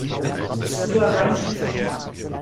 Musst du da rein schießen?